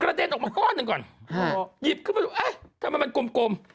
เด็นออกมาก้อนหนึ่งก่อนหยิบขึ้นมาดูเอ๊ะทำไมมันกลม